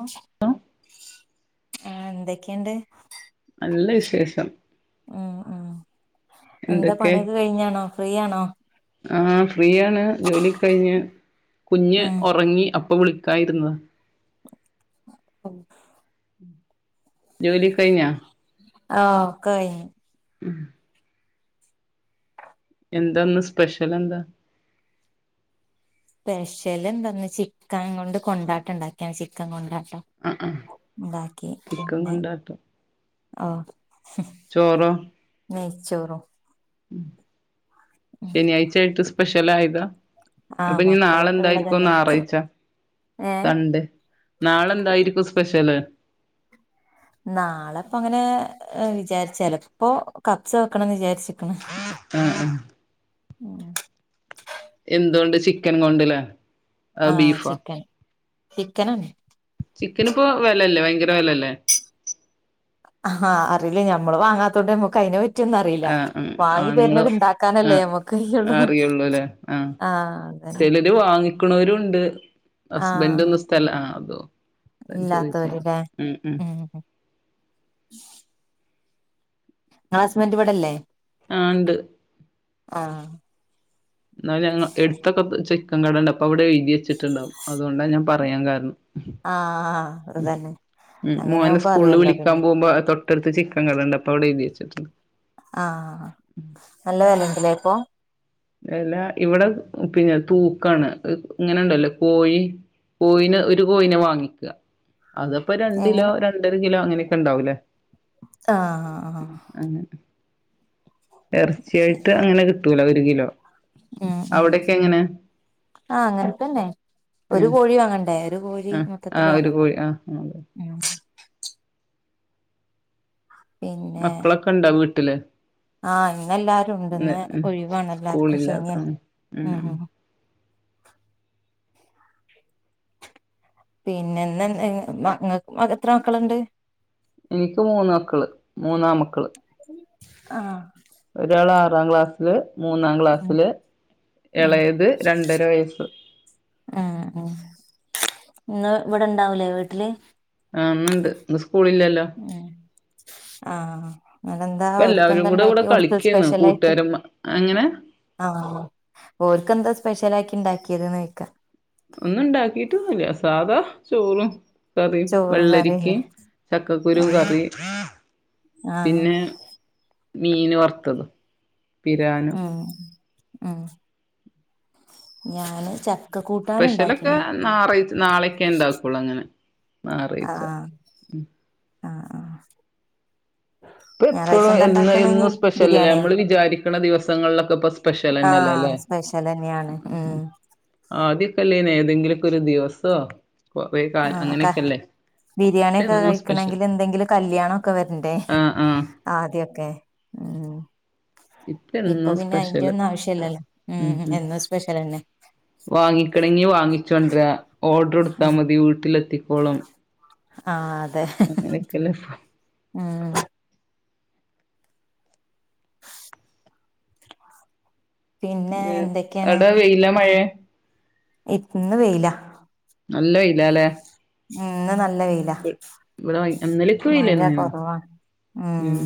ആഹ് hello എന്തെക്കെയ്ണ്ട് നല്ല വിശേഷം. ആഹ് ആഹ് എന്താ പണിയൊക്കെ കഴിഞ്ഞാണോ ഫ്രീ ആണോ ആഹ്‌ ഫ്രീയാണ് ജോലിയൊക്കെ കഴിഞ്ഞ്, കുഞ്ഞ് ഉം ഒറങ്ങി അപ്പ വിളി ക്കായിരുന്നതാ [inaudible] ജോലിയൊക്കെ കഴിഞ്ഞാ ആഹ് ഒക്കെ കഴിഞ്ഞ്. ഹ്മ്മ് എന്താന്ന് സ്പെഷ്യലെന്താ സ്പെഷ്യലെന്താ ഇന്ന് ചിക്കൻ കൊണ്ട് കൊണ്ടാട്ടം ഇണ്ടാക്കി ചിക്കൻ കൊണ്ടാട്ടം ഇണ്ടാക്കി ചിക്കൻ പിന്നെ കൊണ്ടാട്ടം ഓഹ് [inaudible] ചോറോ നെയ്ച്ചോറും. [inaudible] ഉം ശനിയാഴ്ച്ചായിട്ട് സ്പെഷ്യലായതാ ആ അപ്പഞ്ഞ് നാളെ മക്കളൊക്കെ എന്തായിരിക്കും ഉള്ളതല്ലേ ഞായറാഴ്ച്ച ഏ സൺണ്ടേ നാളെന്തായിരിക്കും സ്പെഷ്യല് നാളെപ്പങ്ങനെ വിചാരിച്ചല്ല ചെലപ്പോ കപ്സ് വെക്കണംന്ന് വിചാരിച്ച്ക്ക്ണ്. ആഹ്‌ ആഹ് എന്തോണ്ട് ചിക്കൻ കൊണ്ട് ല്ലേ ആഹ് ചിക്കൻ ചിക്കനാണ് ചിക്കനിപ്പോ വെലല്ലേ ഭയങ്കര വെലല്ലേ ആഹാ അറില്ല ഞമ്മള് വാങ്ങാത്തോണ്ട് നമക്ക് അയിനെ പ റ്റിയൊന്നും അറീല്ല ആഹ് ആഹ് വാങ്ങി ആണുങ്ങള് തര്ണത് ഇണ്ടാക്കാനല്ലേ ആഹ് നമ്മക്കയ്യൊള്ളൂ. ആഹ് അതഞ്ഞെ ചെലോര് വാങ്ങിക്ക്ണോരുണ്ട് ആഹ് ഹസ്ബൻ്റൊന്നും സ്ഥല ആഹ്‌ അതും ഞാൻ ചോയ്ച്ചതാ ഇല്ലാത്തവര്ല്ലേ ഹ്മ്മ് ഹ്മ്മ് ഉം ഇങ്ങളെ ഇങ്ങളെ ഹസ്ബന്റ് ഇവടെല്ലേ ആഹ്‌ ഇണ്ട്. ആഹ് ഇന്നാലും ഞങ്ങ എടുത്തൊക്കെ ചിക്കൻ കടണ്ട് അപ്പൊ അവ്ടെ എഴ്തി വെച്ചിട്ട്ണ്ടാവും അതോണ്ടാ ഞാൻ പറയാൻ കാരണം ആഹ് അതന്നെ മഹ്മ്മ് അങ്ങനെ മോനെ ആവുമ്പോ സ്കൂളില് അറിയല്ലോ വിളിക്കാ പിന്നെ പോവുമ്പാ തൊ ട്ട്ട്ത്ത് ചിക്ക കടണ്ട് അപ്പൊ അവടെ എഴുതി വെച്ചിട്ടുണ്ട് ആഹ് നല്ല വെലേക്കുലെ ഇപ്പോ? എല്ല ഇവടെ പിന്നെ തൂക്കാണ് ഇഹ് ഇങ്ങനെണ്ടല്ലേ കോഴി കോഴിനെ ഒരു കോഴിനെ വാങ്ങിക്ക അതപ്പോ രണ്ടിലോ രണ്ടര കിലോ അങ്ങനൊക്കെ ഇണ്ടാവൂലേ ആഹ്‌ ആഹ്. അങ്ങനെ എർച്ചി ശരി ആയിട്ട് അങ്ങനെ കിട്ടൂല ഒരു കിലോ. ഉം ഉം അവിടെക്കെ എങ്ങനെ ആഹ് അങ്ങൻത്തെന്നെ ഒരു ഉം കോഴി വാങ്ങണ്ടേ? ഒര് കോഴി ആഹ് മൊത്തത്തില് ആഹ് ഒരു വങ്ങണ്ടേ കോഴി ആഹ് അതെ ഉം പിന്നെ മക്കളൊക്കെ ഇണ്ടോ വീട്ടില്? ആഹ് ഇന്ന് എല്ലാരും ഇണ്ട് ഇന്ന് ഒഴിവാണ് എല്ലാർക്കും ശനിയല്ലെ ഉം ഉം. പിന്നെ ഇന്ന് ഇങ് മ ഇങ്ങക്ക് എത്ര മക്കള്ണ്ട്? എനിക്ക് മൂന്ന് മക്കള് മൂന്നാമ്മക്കള്. ആഹ് ഒരാള് ആറാം ക്ലാസ്സില് മൂന്നാം ഉം ക്ലാസ്സില് ഉം എളെത് രണ്ടര വയസ്സ്. ആഹ് ആഹ് ഇങ്ങള് ഇവടെ ഇണ്ടാവൂലേ വീട്ടില്? ആഹ് ഇന്ന്ണ്ട് ഇന്ന് സ്കൂള് ഇല്ലല്ലോ? ഏഹ് ആഹ് ഇന്നട്ടെന്താ ഇപ്പ ഓര്ക്ക് എല്ലാവരും എന്താ കൂടെ ഇണ്ടാക്കി ഇവിടെ കൊടുത്തെ കളിക്കേന്നു സ്പെഷ്യൽ ആയിട്ട്? കൂട്ടുകാരന്മാ എങ്ങനെ ആഹ് ഓര്ക്കെന്താ സ്പെഷ്യലായിറ്റ് ഇണ്ടാക്ക്യത് ചോയ്ക്കാ ഒന്നു ഇണ്ടാക്കിട്ടൊന്നുല്ല്യ സാധാ ചോറും കറീം ചോറും വെള്ളരിക്കെ കറില്ലേ ചക്കക്കുരു ആഹ് കറി ആഹ് പിന്നെ മീന് വറ്ത്തത് പിരാനു ഉം ഉം ഞാന് ചക് സ്പെഷ്യലൊക്കെ നാറായ്ച്ച് നാളെക്കെ ഇണ്ടാക്കുള്ളു അങ്ങനെ. ഞായറാഴ്ച ആഹ് ആഹ് ആഹ് ആഹ് [inaudible] ഇപ്പ ഞായറാഴ്ച എപ്പളു എന്താ എന്നു ഇണ്ടാക്ക്ണെ ഇനി എന്നും സ്പെഷ്യൽ അല്ലേ ബിരിയാണിയോ അമ്മള് വിചാരിക്കണ ദിവസങ്ങളിലൊക്കെ ഇപ്പ സ്പെഷ്യലെന്നെല്ലേ ലെ? ആഹ് സ്പെഷ്യലെന്നെയാണ് ഉം ആദ്യൊക്കെ അല്ലായിനോ ഏതെങ്കിലൊക്കെ ഒരു ദിവസോ കൊറേ കാലം ആഹ് ക അങ്ങനെയൊക്കെല്ലേ ബിരിയാണി ഇപ്പ ഒക്കെ എന്നും സ്പെഷ്യൽ കഴിക്കണെങ്കില് എന്തെങ്കിലു കല്യാണൊക്കെ വെരണ്ടേ ആഹ് ആഹ് ആദ്യൊക്കെ ഉം ഇപ്പ ഇപ്പൊ എന്നും പിന്നെ അയിന്റെ സ്പെഷ്യല് ഒന്നും ആവശ്യല്ലല്ലോ ഉം എന്നും സ്പെഷ്യലെന്നെ. വാങ്ങിക്കണെങ്കി വാങ്ങിച്ചോണ്ടെരാ ഓർഡറ് കൊടുത്താ ഉം മതി വീട്ടിലെത്തിക്കോളും. ആഹ് അതെ. അങ്ങനെക്കെല്ലെ ഉം പിന്നെ [unintelligible] എന്തൊക്കെയാണ് അവ്ടെ വെയിലാ മഴയാ? ഇപ്പ് ഇന്ന് വെയ്ലാ. നല്ല വെയ്ലാ ലെ? ഉം ഇന്ന് നല്ല വെയ്ൽ [unintelligible] ഇവടെ ഭയ ഇന്നലെക്കെ വെയിലെന്നേനു കൊറവാണ് ഉം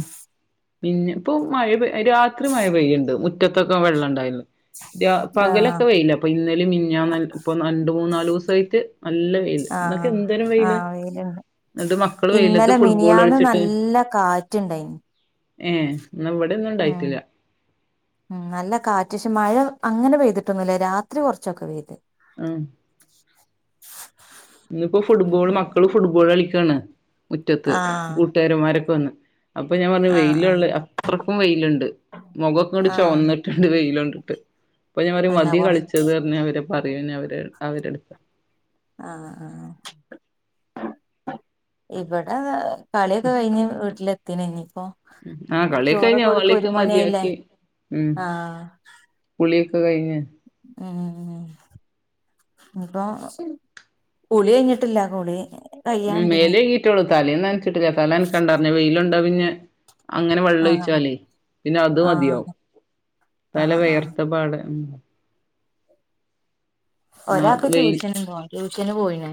പിന്നെ ഇപ്പൊ മഴ പെയ് രാത്രി മഴ പെയ്യണ്ട് മുറ്റത്തൊക്കെ വെള്ളം ഇണ്ടായിരുന്നു രാ ആഹ് പകലൊക്കെ വെയിലാ ഇപ്പൊ ഇന്നലി മിഞ്ഞാന്ന് ഇപ്പൊ രണ്ട് മൂന്നാല് ദിവസായിട്ട് നല്ല വെയില് ഇന്നൊക്കെ എന്തൊരു വെയിലാ വെയിലാണ്. ന്ന്ട്ട് മക്കള് വെയിലത്ത് ഫുട്ബോള് കളിച്ചിട്ട് നല്ല കാറ്റുണ്ടായിന് ഏഹ് ഇന്നാ ഇവടെയൊന്നും ഉം ഇണ്ടായിട്ടില്ല. ഉം നല്ല കാറ്റിശി മഴ അങ്ങനെ പെയ്തിട്ടൊന്നുല്ല രാത്രി കൊറച്ചൊക്കെ പെയ്ത് ആഹ് ഇന്നിപ്പോ ഉം ഫുട്ബോള് മക്കള് ഫുട്ബോള് കളിക്കാണ് മുറ്റത്ത് ആഹ് കൂട്ടുകാരന്മാരൊക്കെ വന്ന് അപ്പൊ ഞാൻ പറഞ്ഞു ആഹ് ആഹ് വെയിലൊള്ളെ അത്രക്കും വെയിലുണ്ട്. മൊഖക്കെ ഇങ്ങട് ആഹ് ചൊവന്നിട്ട്ണ്ട് വെയിലൊണ്ടിട്ട് അപ്പൊ ഞാൻ പറയും തന്നെ മതി കൊറ കളിച്ചെ ച്ചത് പർഞ്ഞ് അവരെ പറയു ഇനി അവര് അവരെടുത്ത് ആഹ് ആഹ് ഇവടെ വേ കളിയൊക്കെ കഴിഞ്ഞ് വീട്ടിലെത്തി പിന്നെ ഇനിപ്പോ ആ കളിയൊക്കെ കഴിഞ്ഞു ചോറൊക്കെ കൊടുക്ക്‌ ഒരു കളിയൊക്കെ മണിയായില്ലേ മതിയാക്കി ഉം ആഹ് കുളിയൊക്കെ കഴിഞ്ഞ് ഉം ഉം ഇപ്പൊ കുളി കഴിഞ്ഞിട്ടില്ല കുളി ഉം കയ്യാണ്ട് ഇനി മേലഴീകിട്ടോളൂ തലേന്ന് നനച്ചിട്ടില്ലേ തല നനക്കാണ്ടറിഞ്ഞ് വെയിലുണ്ടാ പിന്നെ അങ്ങനെ ആഹ് വെള്ളൊഴിച്ചാല് പിന്നെ അത് മതി. ആഹ് തല ആഹ് ആഹ് വിയർത്തപാട് ആ ഒരാക്ക് വെയിൽ ട്യൂഷനുംണ്ട് ട്യൂഷന് പോയിന്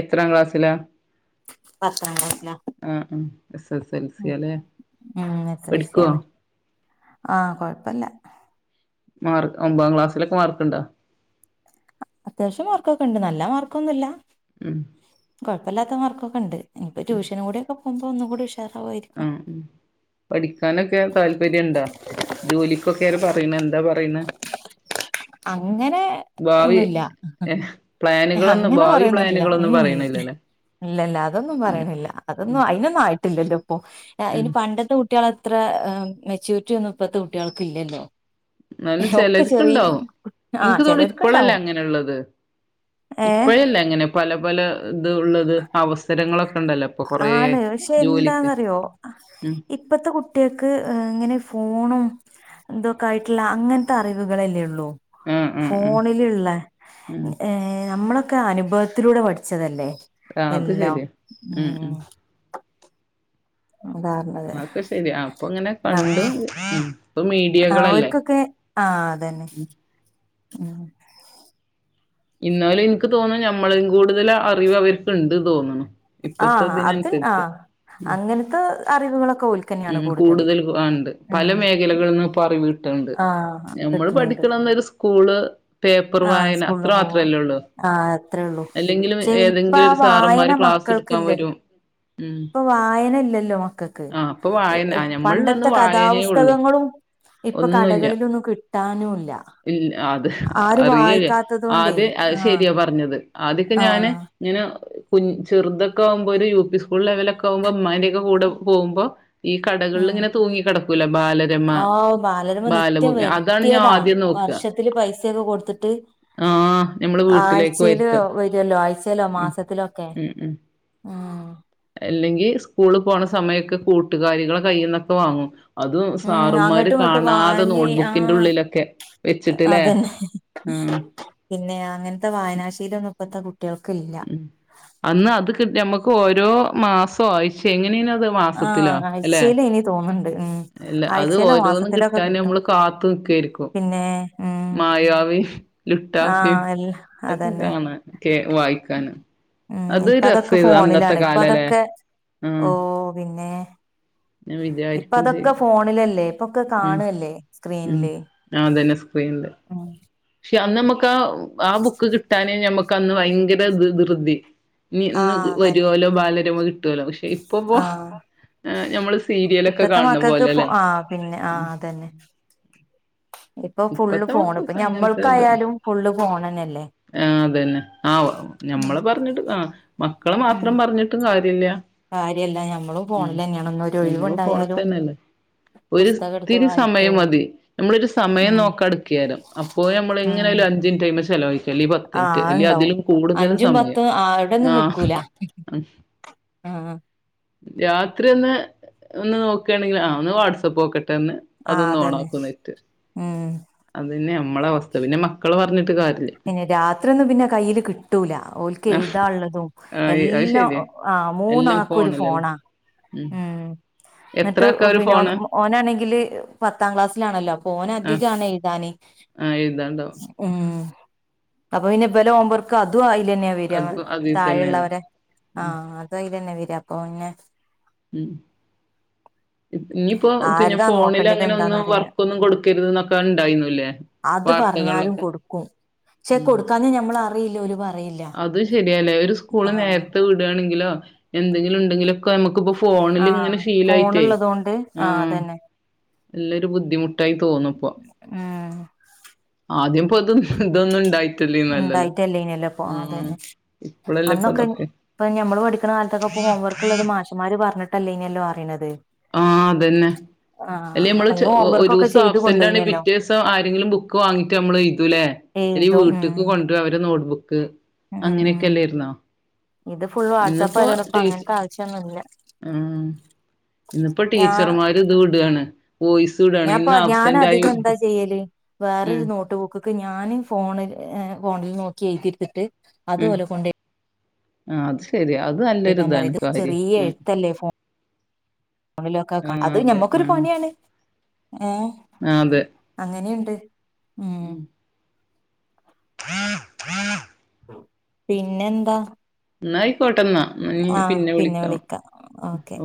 എത്രാം ക്ലാസ്സിലാ പത്താം ക്ലാസ്സിലാ ആഹ് ആഹ് എസ് എസ് എൽ സി അല്ലെ ഉം എസ് എൽ സി പഠിക്കുവോ ആണ് ആഹ് കൊഴപ്പല്ല മാർക്ക് ഒമ്പതാം ക്ലാസിലൊക്കെ മാർക്ക്ണ്ടോ അത്യാവശ്യം മാർക്കൊക്കെ ഉണ്ട് നല്ല മാർക്കൊന്നുല്ല ഉം കൊഴപ്പല്ലാത്ത മാർക്കൊക്കെണ്ട് ഇപ്പൊ ട്യൂഷൻ കൂടെ ഒക്കെ പോകുമ്പോ ഒന്നുകുടി ഉഷ ആഹ്‌ പഠിക്കാനൊക്കെ താല്പര്യണ്ടാ ജോലി [unintelligible] പറയുന്ന എന്താ പറയന്നെ അങ്ങനെ ഭാവി ഒന്നുല്ല. ഏഹ് പ്ലാനുകളൊന്നും അങ്ങനെ ഭാവി പറയൊന്നുംല്ല പ്ലാനുകളൊന്നും ഉം പറയണില്ലല്ലേ ഇല്ലല്ല അതൊന്നും പറയണില്ല ഉം അതൊന്നും അയിനൊന്നും ആയിട്ടില്ലല്ലോപ്പൊ ഇനി ഉം പണ്ടത്തെ കു കുട്ടികളത്ര മെചുരിറ്റി ഒന്നും ഇപ്പത്തെ കുട്ടികൾക്ക് ഇല്ലല്ലോ എന്നാലും ഒക്കെ ചെറിയ ചെലർക്ക്ണ്ടാവും ആഹ് എന്ക്ക് തോന്നണേ ഇപ്പളല്ലേ ചിലർക്കുണ്ടാവും അങ്ങനെള്ളത് ഏഹ് ഇപ്പഴല്ലങ്ങനെ പല പല ഇത് ഉള്ളത് അവസരങ്ങളൊക്കെ ഉണ്ടല്ലോ. ഇപ്പൊ കൊറേ ആണ് പക്ഷെ ജോലിക്ക് എന്താന്നറിയോ ഉം ഇപ്പത്തെ കുട്ടിയക്ക് അങ്ങനെ ഫോണും എന്തൊക്കെ ആയിട്ടുള്ള അങ്ങൻത്തെ അറിവുകളല്ലേ ഉള്ളൂ. ആഹ് ആഹ് ആഹ് ഫോണിലുള്ള ഉം ഏഹ് നമ്മള് ക്കെ അനുഭവത്തിലൂടെ പഠിച്ചതല്ലേ. ആ അത് എല്ലാം ശരിയാ ഉം [unintelligible] അ ഒക്കെ ശെരി അപ്പൊ ഇങ്ങനെ കണ്ടു ആഹ് ഇപ്പം ആഹ് മീഡിയകളല്ലേ. ഓര്ക്കൊക്കെ ആഹ് അതന്നെ ഉം ന്നാലും എനിക്ക് തോന്നെ ഞമ്മളും കൂടുതൽ അറിവ് അവർക്ക്ണ്ട് തോന്നണ്. ഇപ്പത്തെ ആഹ് അത് ഇതിനനുസരിച്ച് ആഹ് അങ്ങനത്തെ അറിവുകളൊക്കെ ഓൽക്കന്നെയാണ് ഉം കൂടുതല് കൂടുതൽ ആ ഇണ്ട് പല ഉം മേഖലകളിന്നിപ്പൊ അറിവുകൾ ണ്ട് ആഹ് നമ്മള് കിട്ട്ണണ്ട് പഠിക്കണന്നേരം സ്കൂള് പേപ്പർ ആഹ് വായന. സ്കൂളില് പോവാ മാത്രല്ലേള്ളൂ ആഹ് അത്രേ ഉള്ളൂ അല്ലെങ്കിലും പക്ഷെ ഇപ്പ ഏതെങ്കിലും ആ ഒരു വായന സാറന്മാര് ക്ലാസ് എടുക്കാൻ മക്കൾക്കില്ലല്ലോ വരും ഉം ഇപ്പൊ വായന ഇല്ലല്ലോ മക്കൾക്ക് ആ അപ്പൊ വായന ഞമ്മളന്ന് പണ്ടത്തെ വായനേ ഉള്ളു. കഥാപുസ്തകങ്ങളും ഇപ്പൊ ഒന്നുല്ല കടകളിലൊന്നും കിട്ടാനുല്ല ഇല്ല അത് ആരും അറിയല്ലേ വായിക്കാത്തത് കൊണ്ടേ ആതെ അത് ആഹ് ശരിയാ പറഞ്ഞത് ആദ്യൊക്കെ ഞാന്. ആഹ് ഇങ്ങനെ കു ചെറുതൊക്കെ ആകുമ്പോൾ ഒരു യു പി സ്കൂൾ ലെവലൊക്കെ ആകുമ്പോൾ മര കൂടെ പോകുമ്പോ ഈ കടകളിൽ ഇങ്ങനെ ഉം തൂങ്ങി കിടക്കൂല ബാലരമ ആഹ് ബാലരമ ബാലഭൂമി അതാണ് ഞാൻ ആദ്യം നോക്കുക പൈസൊക്കെ കൊടുത്തിട്ട് ആഹ് ഞമ്മള് വീട്ടിലേക്ക് ആഴ്ച്ചൽ വരുത്ത ല്ലോ ആഴ്ച്ചയിലോ മാസത്തിലൊക്കെ ഉം ഉം ഉം അല്ലെങ്കി സ്കൂള് പോണ സമയൊക്കെ കൂട്ടുകാരികളെ കൈയിൽന്നൊക്കെ വാങ്ങും അതും സാറന്മാര് അങ്ങട്ടും ഇങ്ങട്ടും കാണാതെ വാങ്ങി നോട്ട്ബുക്കിൻ്റെ ആഹ് ഉള്ളിലൊക്കെ വെച്ചിട്ടില്ലേ അതന്നെ ഉം പിന്നെ അങ്ങനത്തെ വായനാശീയിലൊന്നും ഇപ്പത്തെ കുട്ടികൾക്കില്ല അന്ന് അത് കി ഞമ്മക്ക് ഓരോ മാസം ആഴച്ച എങ്ങനെയന അത് മാസത്തിലോ ആഹ് അല്ലെ ആഴ്ചയില് ഇനി തോന്നുന്നുണ്ട് ഉം അല്ല അത് ആഴ്ചയിലോ ഓരോന്നും മാസത്തിലൊക്കെ കിട്ടാൻ കിട്ടും നമ്മള് കാത്തു നിക്കായിരിക്കും പിന്നെ ഉം മായവി ലുട്ടാഫി ആഹ് എല്ല ഒക്കെ അതന്നെ കാണന് ക്കെ വായിക്കാന് ഉം അത് ഇപ്പ അതൊക്കെ രസേരുന്നു അന്നത്തെ ഫോണിലാണ് ഇപ്പ കാലല്ലേ അതൊക്കെ ഓ ആഹ് പിന്നെ ഞാൻ ഇപ്പ വിചാരിക്കും അതൊക്കെ ചെയ്യും ഫോണിലല്ലേ ഇപ്പൊക്കെ ഉം കാണുവല്ലേ ഉം അതന്നെ സ്ക്രീനിൽ ആഹ പക്ഷെ അന്ന് നമുക്ക് ആ ആ ബുക്ക് കിട്ടാനെ ഞമ്മുക്ക് അന്ന് ഭയങ്കര ത്ർതി ന്നി ഇന്ന് ആഹ് അതന്നെ വരുവല്ലോ ബാലരമ കിട്ടുവല്ലോ പക്ഷെ ഇപ്പപ്പോ ആഹ് നമ്മൾ സീരിയലൊക്കെ കാണണ പോലെല്ലേ ഉ തന്നെ ഇപ്പൊ ഫുള്ള് ഇപ്പത്തെ ഫോണ് ഇപ്പൊ മക്കൾക്ക് ഞമ്മൾക്കായാലും ഫുള്ള് ഫോണന്നല്ലേ ആ അതന്നെ ആ ഞമ്മളെ പറഞ്ഞിട്ട് ആ മക്കളെ ഉം മാത്രം പറഞ്ഞിട്ടും കാര്യമില്ല കാര്യല്ല ഞമ്മളും ഫോണിൽ എങ്ങെയണ ഒന്ന ഒരു ഒഴിവ ഇണ്ടായാലും ഒത്തിരി സമയം മതി നമ്മളൊരു സ മയം ഉം നോക്കട്ക്കെരം അപ്പോയ് നമ്മള ഉം ഇങ്ങനെയാലും അഞ്ചിറ്റ് ആയിമെ ചെലവഴി ല്ലെങ്കിൽ ആഹ് പത്തിനിറ്റ് അല്ല അത്ണ്ടാവും അതിലും കൂടുതൽ അഞ്ചും സമയം പത്തും ആഹ ആഹ രാത്രി ഒന്ന് ഒന്ന് നോക്കുകയാണെങ്കിൽ ആ ഒന്ന് വാട്സആപ്പ് നോക്കട്ടെ ഒന്ന് ആഹ അതന്നെ ഉം അത്ന്നെ നമ്മള അവസ്ഥ പിന്നെ മക്കള് പറഞ്ഞിട്ട് കാര്യല്ല പിന്നെ രാത്രിയ ഒന്നും പിന്നെ കയ്യിൽ കിട്ടൂല ഓലക്ക് ആഹ് എഴുതാള്ളതും ആഹ് അത് എല്ലാം ശരിയാ ആഹ എല്ലാം മൂന്നാക്കും ഒരു ഫോണിലല്ലേ ഫോണാ ഉം എന്നിട്ട് എത്രക്ക ഒരു പിന്നെ ഫോണ് ഓ- ഓനാണെങ്കില് പത്താം ക്ലാസ്സിലാണല്ലോ അപ്പൊ ഓന് ആഹ് അധികണ് എഴുതാന് ആഹ് എഴുതാൻ ഇണ്ടവും ഉം അപ്പൊ പിന്നെ ഇവലെ ഓംവർക് അതും അയില്ലന്നെയ വര അതും അതിൽ തന്നെയതാ താഴെയുള്ളവരെ ഉം ആഹ അ തും ആയില്ലെന്നെ വര അപ്പൊ പിന്നെ ഉം ഉം ഇനിയിപ്പോ പിന്നെ ആരതാ ഫോണിൽ നോക്കേണ്ടത് അങ്ങനെ എന്താന്ന് ഒന്നും അറിയില്ല വർക്ക ഒന്നും കൊടുക്കരുത് എന്നൊക്കെ ഇണ്ടായിരുന്നുല്ലേ അത് പറഞ്ഞാലും കൊടുക്കും ക്ഷെ ഉം കൊടുക്കാന്ന നഞമ്മള അറിയില്ല ഒരുപ അത് ശരിയല്ലേ ഒരു സ്കൂള് നേരത്തെ വിടുകയാണെങ്കിലോ എന്തെങ്കിലും ഇണ്ടെങ്കിലൊക്കെ നമുക്ക്പ്പോ ഫോ ആ ഫോണിൽ ഇങ്ങനെ ഫീല ആയിട്ടേ ഫോണുള്ളത് കൊണ്ട് ആ ആഹ അതന്നെ നല്ലരു ബുദ്ധിമുട്ടായി തോനുപ്പോ ആഹ ആദ്യം ഇപ്പോ അത ഇതൊന്നും ഇണ്ടായി ഇണ്ടായിട്ടല്ലന പോ അഹ അതന്നെ ഇപ്പളല്ലേ ഇപ്പൊ അന്നൊക്കെ ഇതൊക്കെ ഇപ്പ ഞമ്മള് പഠിക്കുന്ന കാലത്തൊക്കെ ഇപ്പ ഹോംവർക്ക് ഉള്ളത് മാ ഷ്മാര് പറഞ്ഞിട്ടല്ലേന്നല്ലോ അറിണത് ആഹ് അതന്നെ അല്ലേ അമ്മൾ ചെ അന്ന് ഹോംവർക്കൊക്കെ ഒരുസം ചെയ്ത് ആബ്സെന്റ് ആണെങ്കിൽ കൊണ്ടോയിനല്ലോ പിറ്റേസം ആരെങ്കിലും ബുക്ക് വാങ്ങിട്ട് നമ്മളെയ്തുല്ലേ എഴുത്തും ഉം ക്ക് കൊണ്ട്രൂ അവരെ നോട്ട്ബുക്ക് ഉം അങ്ങനെയൊക്കെ ഉം അല്ലായിരുന്നോ? ഇത് ഫുൾ വാട്സആപ്പ് ആയതൊണ്ട്പ്പ ടീച്ച അങ്ങനത്തെ ആവശ്യൊന്നുംല്ല ആഹ് ഇന്നിപ്പോ ടീച്ചർമാര് ഇദ് വിടാണ് വോയിസ് വിടാണ് ഞാൻപ്പ ഇന്ന് ഞാൻ ആബ്സെന്റ് ആയി അധികം എന്താ ചെയ്യല് ഉം വേറൊരു നോട്ട് ബുക്ക് ഞാനും ഫോണ് ഫോണിൽ നോക്കി എഴുതിട്തിട്ട് ഉം അതുപലെ കൊണ്ട് ആഹ് അത് ശെരിയാ അത് എയ്താമ റി നല്ലൊരിതാണ് ഇത് കാര്യം ചെറിയ ഉം എഴുത്തല്ലേ ഫോൺ മണിലൊക്കെ ആഹ് അത് അതെ ഞമ്മക്കൊരു ആഹ് പണിയാണ് ഏഹ് ആഹ് അതെ അങ്ങനെയുണ്ട് ഉം ഉം [unintelligible] പിന്നെന്താ? ന്നായിക്കോട്ടന്നാ ഞ്ഞി പിന്നെ വിളിക്ക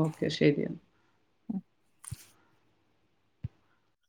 ഓക്കെ ശരിയാ